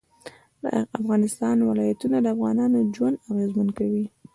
د افغانستان ولايتونه د افغانانو ژوند اغېزمن کوي.